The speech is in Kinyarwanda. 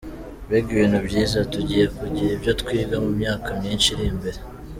"Mbega ibintu byiza! Tugiye kugira ibyo twiga mu myaka myinshi iri imbere.